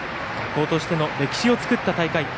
学校としての歴史を作った大会。